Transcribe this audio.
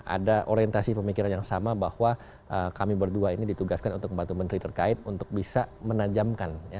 ada orientasi pemikiran yang sama bahwa kami berdua ini ditugaskan untuk membantu menteri terkait untuk bisa menajamkan